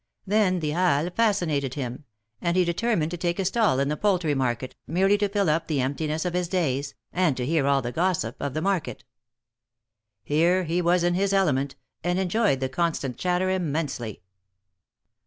Then the Halles fascinated him, and he determined to take a stall in the poultry market, merely to fill up the emptiness of his days, and to hear all the gossip of the market. Here he was in his element, and enjoyed the constant chatter immensely.